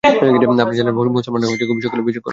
আপনি জানেন যে, মুসলমানরা খুবই সুকৌশলী এবং বিচক্ষণ।